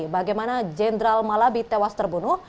bagaimana jenderal malabi tewas terbunuh